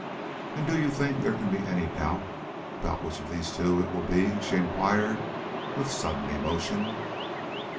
"And do you think there can be any doubt about which of these two it will be?" she inquired, with sudden emotion.